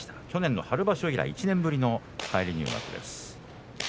去年の春場所以来１年ぶりの幕内です。